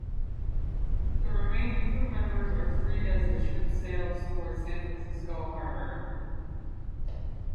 The remaining crew members are freed as the ship sails towards San Francisco harbor.